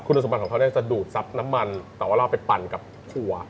คุณสมบัติของเขาเนี่ยจะดูดซับน้ำมันแต่ว่าเราไปปั่นกับถั่ว